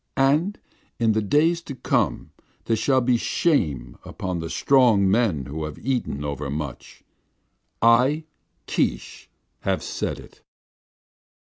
And in the days to come there shall be shame upon the strong men who have eaten overmuch. I, Keesh, have said it!"